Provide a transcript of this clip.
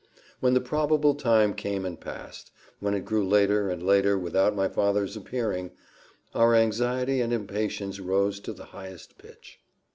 When the probable time came and passed, when it grew later and later without my father's appearing, our anxiety and impatience rose to the highest pitch.